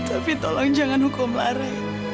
tapi tolong jangan hukum larang